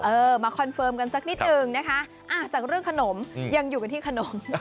เออมาคอนเฟิร์มกันสักนิดนึงนะคะจากเรื่องขนมยังอยู่กันที่ขนม